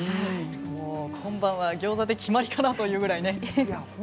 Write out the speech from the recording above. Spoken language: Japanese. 今晩はギョーザで決まりかなというくらい。